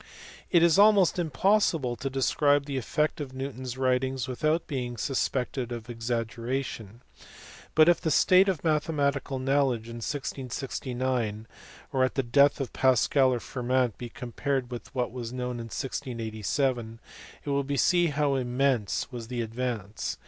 It is almost impossible to describe the effect of Newton s writings without being suspected of exaggeration. But, if the state of mathematical knowledge in 1669 or at the death of Pascal or Fermat be compared with what was known in 1687, it will be seen how immense was the advance.